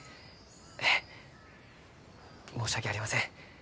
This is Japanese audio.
ええ申し訳ありません。